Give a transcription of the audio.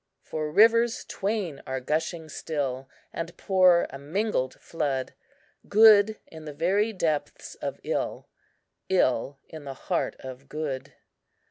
"For rivers twain are gushing still, And pour a mingled flood; Good in the very depths of ill— Ill in the heart of good.